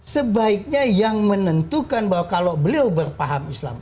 sebaiknya yang menentukan bahwa kalau beliau berpaham islam